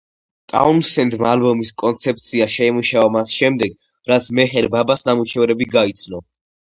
ტაუნსენდმა ალბომის კონცეფცია შეიმუშავა მას შემდეგ, რაც მეჰერ ბაბას ნამუშევრები გაიცნო.